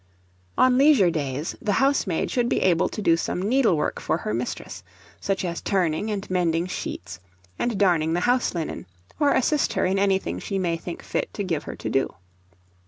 On leisure days, the housemaid should be able to do some needlework for her mistress, such as turning and mending sheets and darning the house linen, or assist her in anything she may think fit to give her to do.